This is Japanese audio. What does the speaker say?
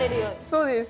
そうです。